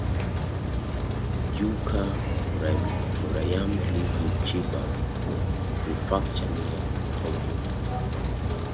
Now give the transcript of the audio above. Yuka Murayama lives in Chiba Prefecture near Tokyo.